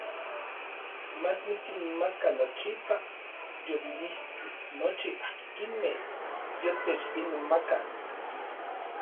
Ma nikinmaka nochipa yolilistli nochi akinmej yotechinmakak.